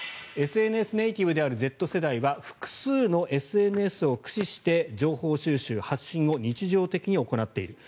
ＳＮＳネイティブであるＺ世代は複数のＳＮＳを駆使して情報収集・発信を日常的に行っている。